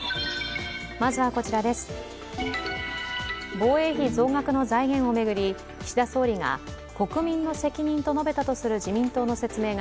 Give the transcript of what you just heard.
防衛費増額の財源を巡り岸田総理が国民の責任と述べたとする自民党の説明が